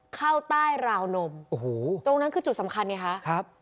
เข้าใต้ราวนมโอ้โหตรงนั้นคือจุดสำคัญไงคะครับ